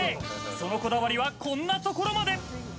そのこだわりはこんなところまで。